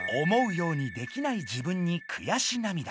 思うようにできない自分にくやし涙。